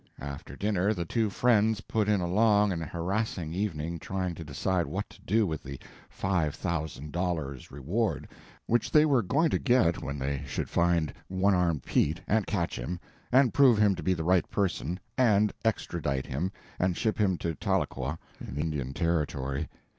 After dinner the two friends put in a long and harassing evening trying to decide what to do with the five thousand dollars reward which they were going to get when they should find One Armed Pete, and catch him, and prove him to be the right person, and extradite him, and ship him to Tahlequah in the Indian Territory.